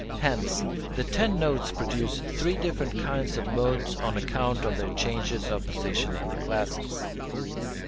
Hence the ten notes produce three different kinds of modes on account of their changes of position in the classes.